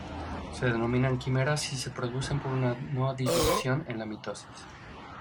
Se denominan quimeras y se producen por una no-disyunción en la mitosis.